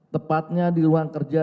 tepatnya di luar kerja